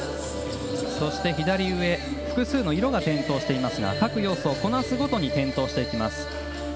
そして左上複数の色が点灯していますが各要素をこなすごとに点灯します。